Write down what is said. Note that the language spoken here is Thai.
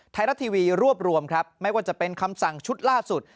ไทยรัฐทีวีรวบรวมครับไม่ว่าจะเป็นคำสั่งชุดล่าสุด